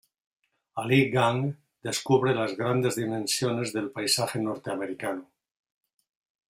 Allí Gang descubre las grandes dimensiones del paisaje norteamericano.